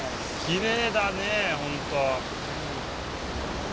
きれいだね本当。